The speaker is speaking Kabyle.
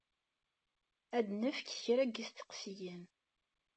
Ad d-nefk kra n yisteqsiyen.